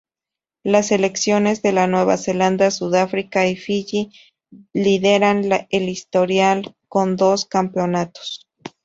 Las selecciones de Nueva Zelanda, Sudáfrica y Fiyi lideran el historial con dos campeonatos.